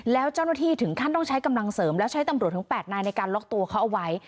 แล้วเจ้าหน้าที่ถึงขั้นต้องใช้กำลังเสริมแล้วใช้ตำรวจถึง๘นายในการล็อกตัวเขาเอาไว้